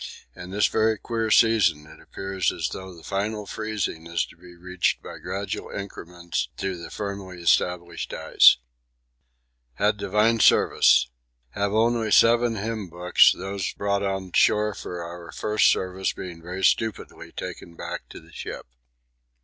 In this very queer season it appears as though the final freezing is to be reached by gradual increments to the firmly established ice. Had Divine Service. Have only seven hymn books, those brought on shore for our first Service being very stupidly taken back to the ship.